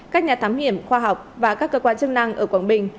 các nhà thám hiểm khoa học và các cơ quan chức năng ở quảng bình